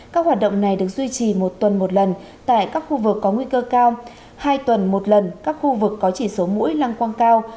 các hoạt động này được duy trì một tuần một lần tại các khu vực có nguy cơ cao hai tuần một lần các khu vực có chỉ số mũi lăng quang cao